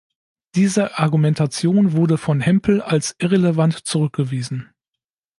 Diese Argumentation wurde von Hempel als irrelevant zurückgewiesen.